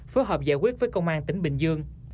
phối hợp giải quyết với công an tỉnh bình dương